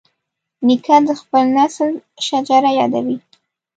نیکه د خپل نسل شجره یادوي.